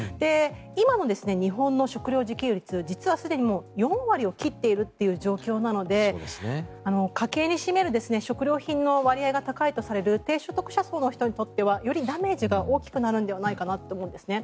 今の日本の食料自給率実はすでに４割を切っているという状況なので家計に占める食料品の割合が高いとされる低所得者層の方にとってはよりダメージが大きくなるかと思うんですね。